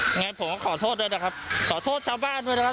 ยังไงผมก็ขอโทษด้วยนะครับขอโทษชาวบ้านด้วยนะครับ